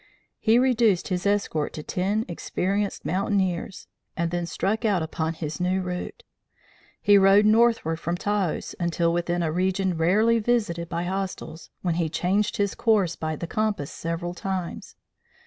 He reduced his escort to ten experienced mountaineers and then struck out upon his new route. He rode northward from Taos until within a region rarely visited by hostiles, when he changed his course by the compass several times.